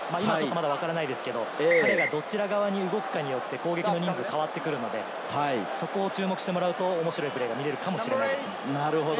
まだわからないですけれど、どちら側に動くかによって攻撃の人数が変わってくるので、そこを注目してもらうと面白いプレーが見られるかもしれません。